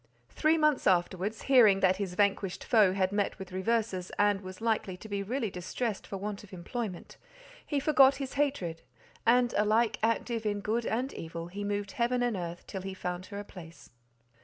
Three months afterwards, hearing that his vanquished foe had met with reverses, and was likely to be really distressed for want of employment, he forgot his hatred, and alike active in good and evil, he moved heaven and earth till he found her a place.